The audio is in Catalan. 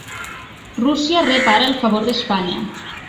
Rússia rep ara el favor d'Espanya